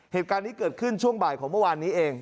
เหตุการณ์นี้เกิดขึ้นช่วงบ่ายของเมื่อวานนี้เอง